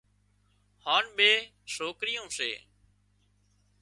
هانَ ٻي سوڪريون سي